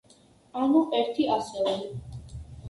ანუ ერთი ასეული.